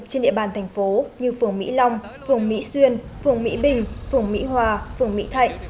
trên địa bàn thành phố như phường mỹ long phường mỹ xuyên phường mỹ bình phường mỹ hòa phường mỹ thạnh